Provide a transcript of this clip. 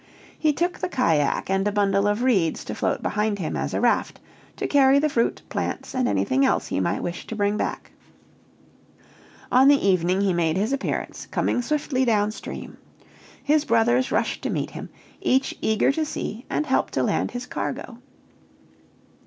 He took the cajack, and a bundle of reeds to float behind him as a raft to carry the fruit, plants, and anything else he might wish to bring back. On the evening he made his appearance, coming swiftly down stream. His brothers rushed to meet him, each eager to see and help to land his cargo.